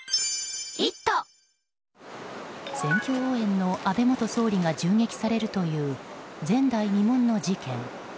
選挙応援の安倍元総理が銃撃されるという前代未聞の事件。